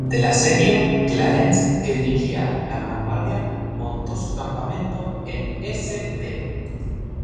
Durante el asedio, Clarence, que dirigía la vanguardia, montó su campamento en St.